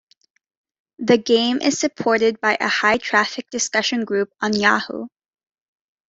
The game is supported by a high-traffic discussion group on Yahoo!